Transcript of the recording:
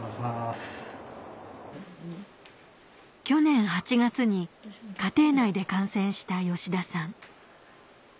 去年８月に家庭内で感染した吉田さん